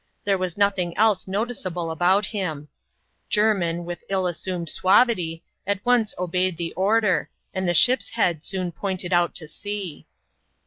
There was nothing else noticeable about him. Jermin, with ill assumed suavity, at once obeyed the order, and the ship's head soon pointed out to sea.